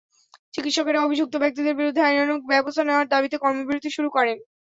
চিকিৎসকেরা অভিযুক্ত ব্যক্তিদের বিরুদ্ধে আইনানুগ ব্যবস্থা নেওয়ার দাবিতে কর্মবিরতি শুরু করেন।